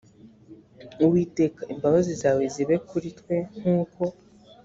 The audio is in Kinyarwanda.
uwiteka imbabazi zawe zibe kuri twe nk uko